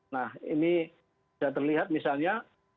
nah ini sudah terlihat misalnya